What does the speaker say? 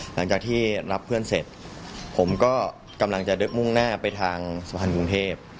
หลังจากที่รับเพื่อนเสร็จผมก็กำลังจะมุ่งหน้าไปทางสุพรรณกรุงเทพ